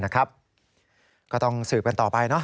ก็ต้องสืบกันต่อไป